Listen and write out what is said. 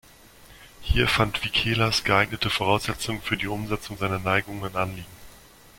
Hier fand Vikelas geeignete Voraussetzungen für die Umsetzung seiner Neigungen und Anliegen.